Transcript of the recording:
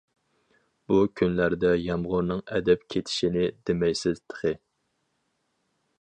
بۇ كۈنلەردە يامغۇرنىڭ ئەدەپ كېتىشىنى دېمەيسىز تېخى.